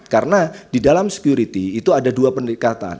karena di dalam security itu ada dua peningkatan